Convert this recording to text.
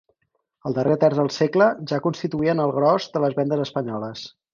Al darrer terç del segle ja constituïen el gros de les vendes espanyoles.